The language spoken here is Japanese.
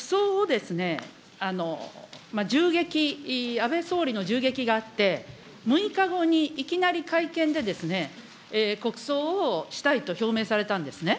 まず最初に国葬問題、総理、国葬を、銃撃、安倍総理の銃撃があって、６日後にいきなり会見で、国葬をしたいと表明されたんですね。